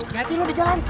lihatin lu di jalan